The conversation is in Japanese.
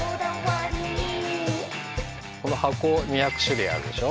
この箱２００しゅるいあるでしょ。